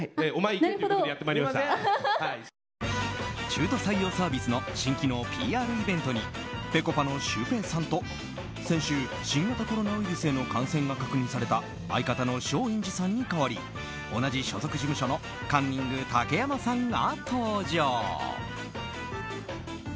中途採用サービスの新機能ＰＲイベントにぺこぱのシュウペイさんと先週、新型コロナウイルスへの感染が確認された相方の松陰寺さんに代わり同じ所属事務所のカンニング竹山さんが登場。